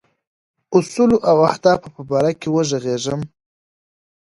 اصولو او اهدافو په باره کې وږغېږم.